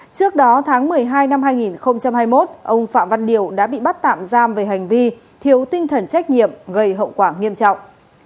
trước đó tháng một mươi hai năm hai nghìn hai mươi một ông phạm văn điều đã bị bắt tạm giam về hành vi thiếu tinh thần trách nhiệm gây hậu quả nghiêm trọng